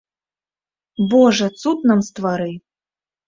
Божа, цуд нам ствары.